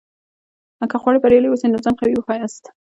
که غواړې بریالی واوسې؛ نو ځان قوي وښیاست!